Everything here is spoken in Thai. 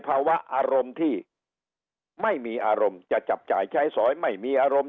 ภาวะอารมณ์ที่ไม่มีอารมณ์จะจับจ่ายใช้สอยไม่มีอารมณ์